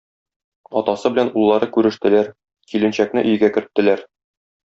Атасы белән уллары күрештеләр, киленчәкне өйгә керттеләр.